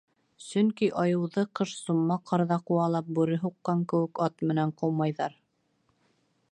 Сөнки айыуҙы, ҡыш сумма ҡарҙа ҡыуалап, бүре һуҡҡан кеүек, ат менән ҡыумайҙар.